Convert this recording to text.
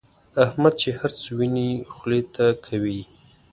احمد چې هرڅه ویني خولې ته کوي یې.